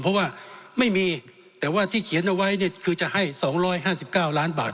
เพราะว่าไม่มีแต่ว่าที่เขียนเอาไว้เนี่ยคือจะให้๒๕๙ล้านบาท